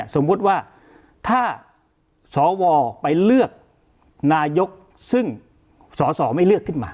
สมมุติว่าถ้าสวไปเลือกนายกซึ่งสอสอไม่เลือกขึ้นมา